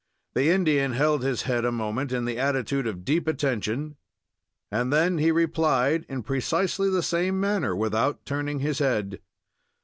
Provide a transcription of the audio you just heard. The Indian held his head a moment in the attitude of deep attention, and then he replied in precisely the same manner without turning his head.